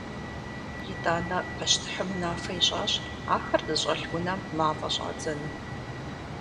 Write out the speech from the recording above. Итӏанэ пащтыхьым унафэ ищӏащ ахэр зыщӏэлъ унэм мафӏэ щӏадзэну.